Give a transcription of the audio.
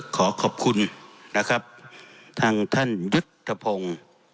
ขอขอบคุณนะครับทางท่านยุทธพงศ์